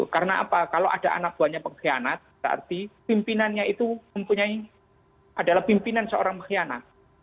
karena apa kalau ada anak buahnya pengkhianat berarti pimpinannya itu mempunyai adalah pimpinan seorang pengkhianat